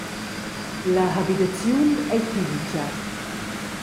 La habitaziun ei pintga.